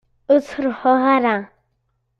Ur ttṛuḥuɣ ara.